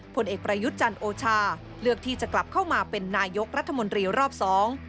ผลเอกประยุทธ์จันทร์โอชาเลือกที่จะกลับเข้ามาเป็นนายกรัฐมนตรีรอบสอง